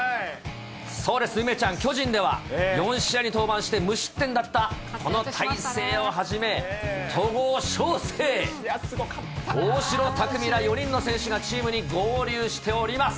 そうです、梅ちゃん、巨人では、４試合に登板して無失点だった、この大勢をはじめ、戸郷翔征、大城卓三ら４人の選手がチームに合流しております。